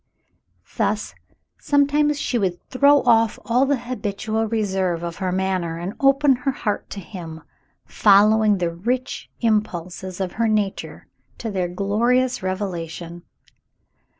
Thus, sometimes she would throw off all the habitual reserve of her manner and open her heart to him, following the rich impulses of her nature to their glorious revelation.